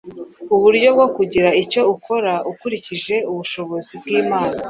uburyo bwo kugira icyo akora akurikije ubushobozi bw’Imana.